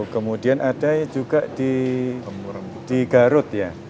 kemudian ada juga di garut ya